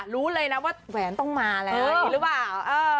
รู้เลยนะว่าแหวนต้องมาแล้วอย่างนี้หรือเปล่า